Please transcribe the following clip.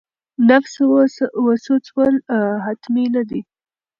نفس وسوځول حتمي نه دي.